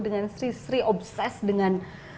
dengan sri sri obses dengan